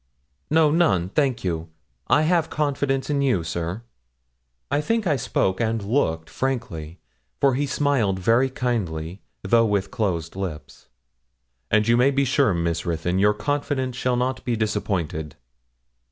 'No, none, thank you; I have confidence in you, sir.' I think I spoke and looked frankly, for he smiled very kindly, though with closed lips. 'And you may be sure, Miss Ruthyn, your confidence shall not be disappointed.'